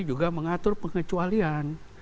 juga mengatur pengecualian